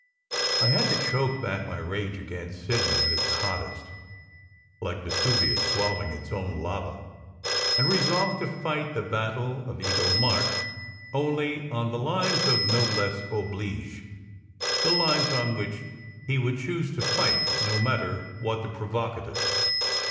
I had to choke back my rage against Sidney at its hottest, like Vesuvius swallowing its own lava, and resolve to fight the battle of Eagle March only on the lines of noblesse oblige the lines on which he would choose to fight, no matter what the provocative.